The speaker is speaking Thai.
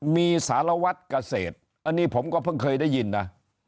มีสหรวรรษกระเศษอันนี้ผมก็เพิ่งเคยได้ยินน่ะ